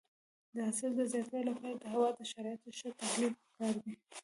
د حاصل د زیاتوالي لپاره د هوا د شرایطو ښه تحلیل پکار دی.